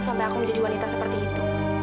sampai aku menjadi wanita seperti itu